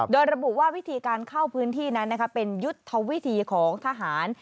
โดยระบุว่าวิธีการเข้าพื้นที่นั้นเป็นยุทธวิธีของทหาร